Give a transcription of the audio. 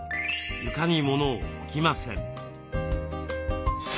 床にモノを置きません。